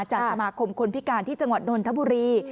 จากสมาคมคนพิการที่จังหวัดนนทบุรี